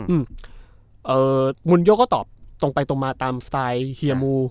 อืมเอ่อมุนโยก็ตอบตรงไปตรงมาตามสไตล์เฮียมู